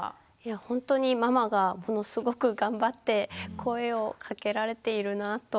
ほんとにママがものすごく頑張って声をかけられているなと思いましたね。